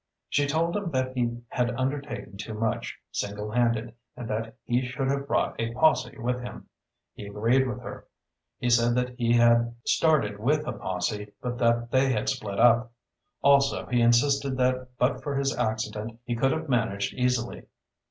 She told him that he had undertaken too much, single handed, and that he should have brought a posse with him. He agreed with her. He said he had started with a posse, but that they had split up. Also he insisted that but for his accident he could have managed easily.